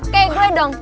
kayak gue dong